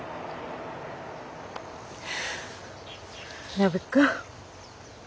暢子。